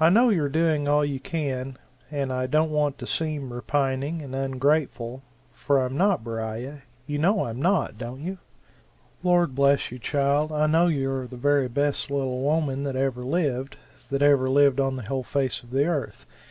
I know you're doing all you can, and I don't want to seem repining and ungrateful for I'm not, Beriah you know I'm not, don't you?" "Lord bless you, child, I know you are the very best little woman that ever lived that ever lived on the whole face of the Earth!